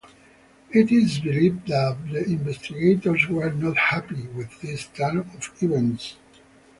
It is believed that the investigators were not happy with this turn of events.